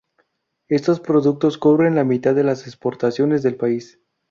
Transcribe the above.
Estos productos cubren la mitad de las exportaciones del país.